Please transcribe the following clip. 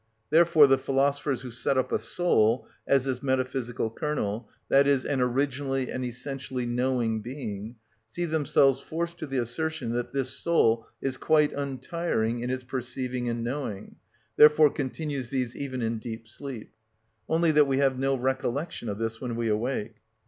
Therefore the philosophers who set up a soul as this metaphysical kernel, i.e., an originally and essentially knowing being, see themselves forced to the assertion that this soul is quite untiring in its perceiving and knowing, therefore continues these even in deep sleep; only that we have no recollection of this when we awake.